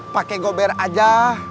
pakai gober aja